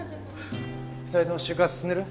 ２人とも就活進んでる？